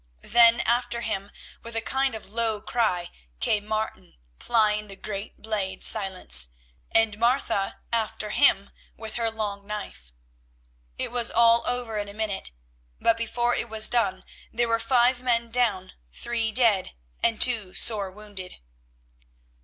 Then after him, with a kind of low cry, came Martin, plying the great blade Silence, and Martha after him with her long knife. It was all over in a minute, but before it was done there were five men down, three dead and two sore wounded.